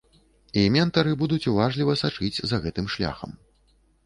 І ментары будуць уважліва сачыць за гэтым шляхам.